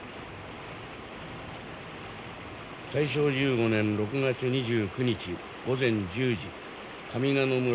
大正１５年６月２９日午前１０時上狩野村